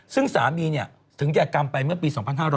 ซึ่งสามีถึงแก่กรรมไปเมื่อปี๒๕๕๙